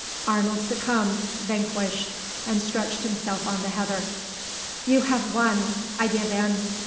Arnold succumbed, vanquished, and stretched himself on the heather. "You have won; I give in.